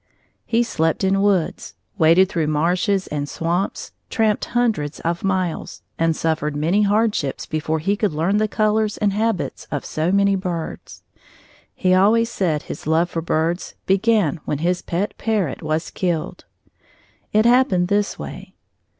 He slept in woods, waded through marshes and swamps, tramped hundreds of miles, and suffered many hardships before he could learn the colors and habits of so many birds. He always said his love for birds began when his pet parrot was killed. It happened this way.